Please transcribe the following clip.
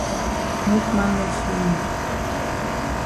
Make man no fool we.